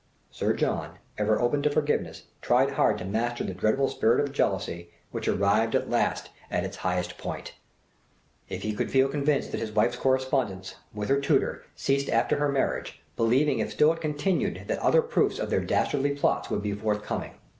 Sir John, ever open to forgiveness, tried hard to master the dreadful spirit of jealousy which arrived at last at its highest point, if he could feel convinced that his wife's correspondence with her tutor ceased after her marriage, believing if still it continued that other proofs of their dastardly plots would be forthcoming.